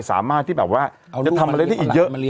สามารถที่แบบว่าจะทำอะไรได้อีกเยอะ